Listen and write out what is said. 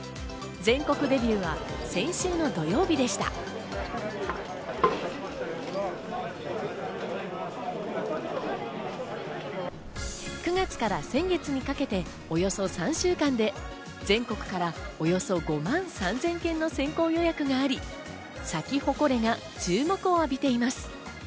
全国デビューは先週の土９月から先月にかけて、およそ３週間で全国からおよそ５万３０００件の先行予約があり、サキホコレが注目を浴びています。